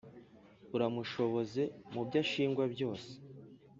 uramushoboze mubyo ashingwa byose